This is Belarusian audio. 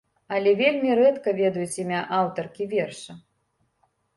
Але вельмі рэдка ведаюць імя аўтаркі верша.